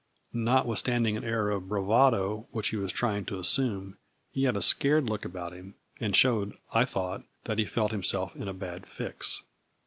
Notwithstanding an air of bravado which he was trying to assume, he had a scared look about him, and showed, I thought, that he felt himself in a bad fix.